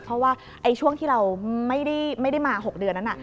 เพราะว่าช่วงที่เราไม่ได้มา๖เดือนนั้น